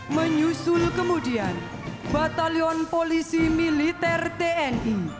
menyusul kemudian batalion polisi militer tni